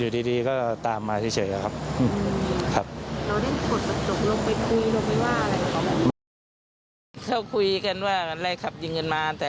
อยู่ดีก็ตามมาเฉยครับครับเราได้คุยกันว่าอะไรขับเงินมาแต่